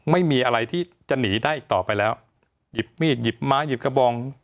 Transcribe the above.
ไม่มีอะไรที่จะหนีได้อีกต่อไปแล้วหยิบมีดหยิบไม้หยิบกระบอง